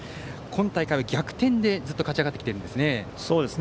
今大会は逆転でずっと勝ち上がってきているんですね。